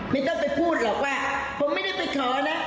ไม่ต้องไปพูดหรอกว่าผมไม่ได้ไปขอนะ